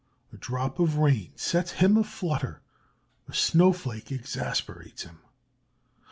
A drop of rain sets him in a flutter; a snowflake exasperates him.